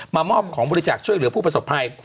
มามอบของบริจาคช่วยเหลือผู้ประสบภัย